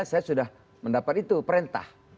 saya sudah mendapat itu perintah